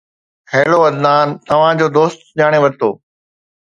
Hello Adnan, توهان جو دوست، سڃاڻي ورتو؟